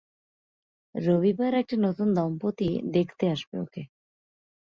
রবিবারে নতুন একটা দম্পতি দেখতে আসবে ওকে।